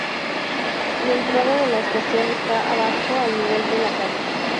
La entrada de la estación está abajo al nivel de la calle.